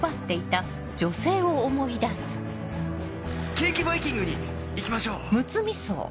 「ケーキバイキングに行きましょう」。